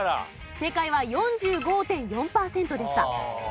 正解は４５．４パーセントでした。